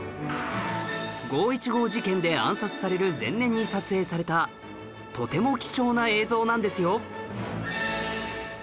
五・一五事件で暗殺される前年に撮影されたとても貴重な映像なんですよ